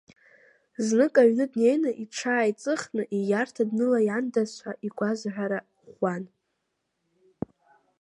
Знык, аҩны днеины, иҽааиҵыхны ииарҭа днылаиандаз ҳәа игәазыҳәара ӷәӷәан.